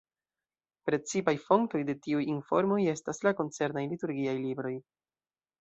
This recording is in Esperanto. Precipaj fontoj de tiuj informoj estas la koncernaj liturgiaj libroj.